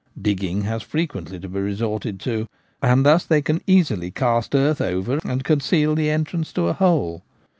digging has frequently to be resorted to, and thus they can easily cast earth over and conceal the entrance to a hole.